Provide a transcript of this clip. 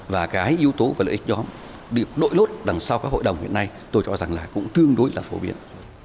và cái yếu tố và lợi ích nhóm được nội lốt đằng sau các hội đồng hiện nay tôi cho rằng là cũng tương đối là phổ biến